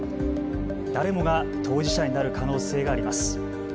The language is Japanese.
誰もが当事者になる可能性があります。